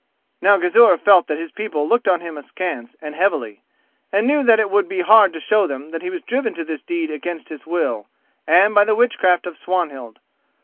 Now Gizur felt that his people looked on him askance and heavily, and knew that it would be hard to show them that he was driven to this deed against his will, and by the witchcraft of Swanhild.